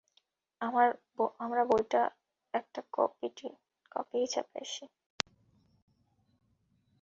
আমরা বইটার একটা কপিই ছাপিয়েছি।